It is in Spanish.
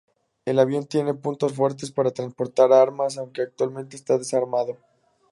El avión tiene puntos fuertes para transportar armas, aunque actualmente está desarmado.